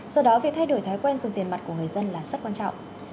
nên thay đổi thói quen dùng tiền mặt của người dân là rất quan trọng